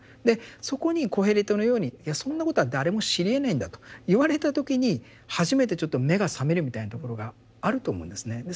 でそこにコヘレトのように「いやそんなことは誰も知りえないんだ」と言われた時に初めてちょっと目が覚めるみたいなところがあると思うんですね。